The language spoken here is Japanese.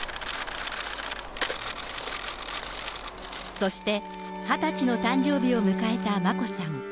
そして２０歳の誕生日を迎えた眞子さん。